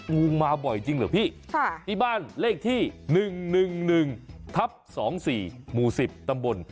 งูมาบ่อยจริงเหรอพี่ที่บ้านเลขที่๑๑๑๑ทับ๒๔หมู่๑๐ตำบล